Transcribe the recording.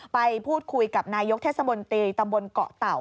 ไปพูดคุยกับนายกเทศมนตรีตำบลเกาะเต่า